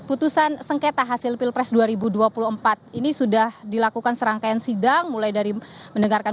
putusan sengketa hasil pilpres dua ribu dua puluh empat ini sudah dilakukan serangkaian sidang mulai dari mendengarkan